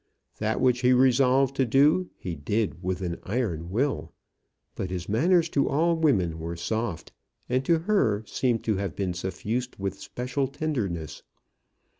That which he resolved to do, he did with an iron will. But his manners to all women were soft, and to her seemed to have been suffused with special tenderness.